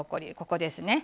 ここですね